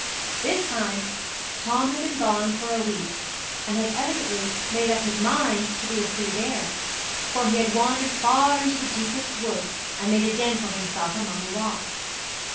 This time Tom had been gone a week and had evidently made up his mind to be a free bear; for he had wandered far into the deepest wood and made a den for himself among the rocks.